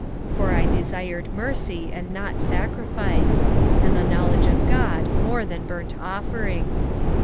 6:6 For I desired mercy, and not sacrifice; and the knowledge of God more than burnt offerings.